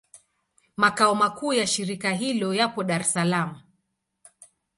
Makao makuu ya shirika hilo yapo Dar es Salaam.